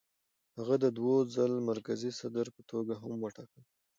هغه د دوو ځل مرکزي صدر په توګه هم وټاکل شو.